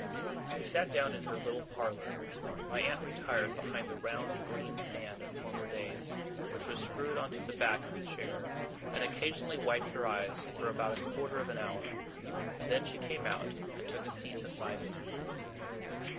We sat down in her little parlour. My aunt retired behind the round green fan of former days, which was screwed on the back of a chair, and occasionally wiped her eyes, for about a quarter of an hour. Then she came out, and took a seat beside me.